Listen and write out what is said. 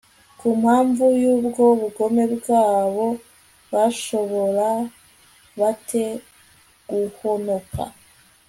ku mpamvu y'ubwo bugome bwabo, bashobora bate guhonoka